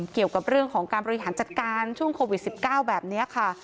เกี่ยวกับเรื่องของการบริหารจัดการช่วงโควิด๑๙แบบนี้ค่ะ